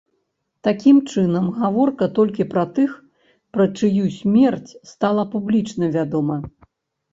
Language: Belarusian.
Такім чынам, гаворка толькі пра тых, пра чыю смерць стала публічна вядома.